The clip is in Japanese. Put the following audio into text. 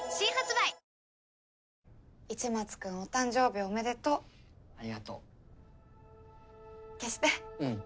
市松君お誕生日おめでとうありがと消してうん。